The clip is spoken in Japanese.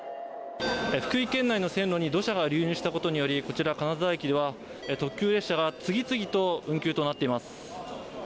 福井県内の線路に土砂が流入したことにより、こちら、金沢駅では、特急列車が次々と運休となっています。